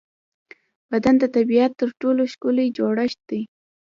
بدن د طبیعت تر ټولو ښکلی جوړڻت دی.